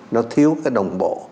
nó thiếu cái đồng bộ